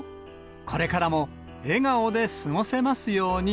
これからもえがおですごせますように。